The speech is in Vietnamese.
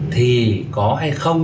thì có hay không